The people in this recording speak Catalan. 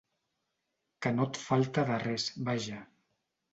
Que no et falta de res, vaja.